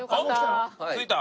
着いた。